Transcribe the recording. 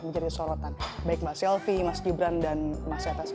menjadi sorotan baik mbak selvi mas gibran dan mas etes